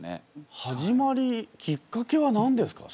始まりきっかけは何ですか？